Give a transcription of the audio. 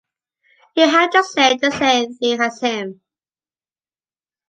You have to say the same thing as him.